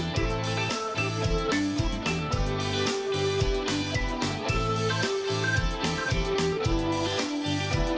สวัสดีค่ะ